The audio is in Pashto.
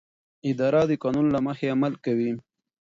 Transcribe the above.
اداره د قانون له مخې عمل کوي.